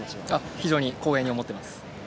非常に光栄に思っています。